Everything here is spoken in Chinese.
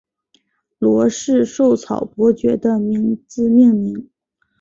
罗氏绶草伯爵的名字命名。